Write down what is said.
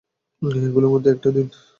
এইগুলির মধ্যে একটা দিন।